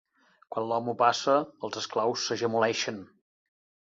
Quan l'amo passa, els esclaus s'agemoleixen.